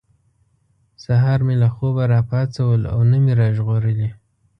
سهار مې له خوبه را پاڅول او نه مې را ژغورلي.